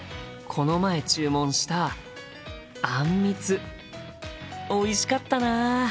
この前注文したあんみつおいしかったな。